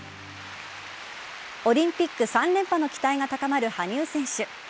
オリンピック３連覇の期待が高まる羽生選手。